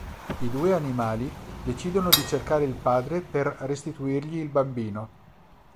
I due animali decidono di cercare il padre per restituirgli il bambino.